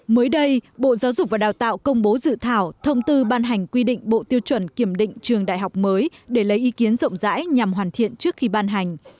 mới đây bộ giáo dục và đào tạo công bố dự thảo thông tư ban hành quy định bộ tiêu chuẩn kiểm định trường đại học mới để lấy ý kiến rộng rãi nhằm hoàn thiện trước khi ban hành